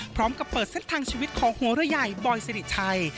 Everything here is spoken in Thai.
พร้อมกับเปิดเส้นทางชีวิตของหัวเรือใหญ่บอยสิริชัย